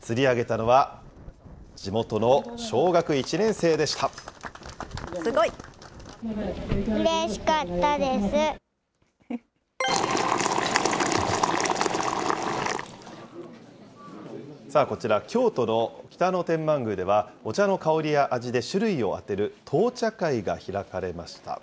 釣り上げたのは地元の小学１年生すごい！さあこちら、京都の北野天満宮では、お茶の香りや味で種類を当てる闘茶会が開かれました。